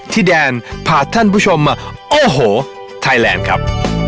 ที่แดนพาท่านผู้ชมมาโอ้โหไทยแลนด์ครับ